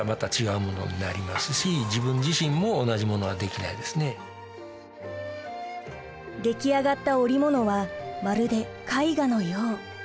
だから出来上がった織物はまるで絵画のよう。